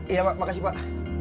iya pak makasih pak